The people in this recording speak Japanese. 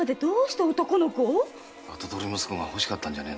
跡取り息子が欲しかったんじゃねえのか？